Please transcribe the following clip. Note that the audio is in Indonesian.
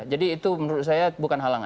jadi itu menurut saya bukan halangan